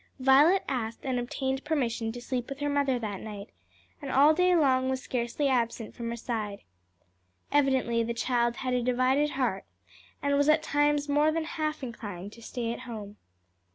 Violet asked and obtained permission to sleep with her mother that night, and all day long was scarcely absent from her side. Evidently the child had a divided heart, and was at times more than half inclined to stay at home.